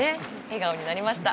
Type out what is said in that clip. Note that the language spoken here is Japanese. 笑顔になりました。